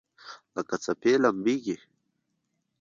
لکه څپې لمبیږي